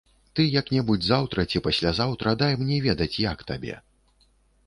Ты як-небудзь заўтра ці паслязаўтра дай мне ведаць, як табе.